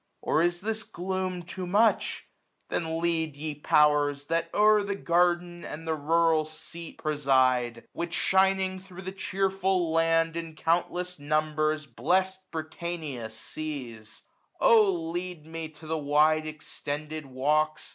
Or is this gloom too much ? Then lead, ye powers. That o'er the garden and the rural seat 1036 Preside, which shining thro* the cheerful land In countless numbers blest Britannia sees; O lead me to the wide extended walks.